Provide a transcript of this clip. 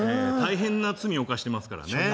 大変な罪を犯してますからね。